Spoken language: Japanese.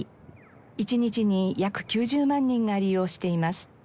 一日に約９０万人が利用しています。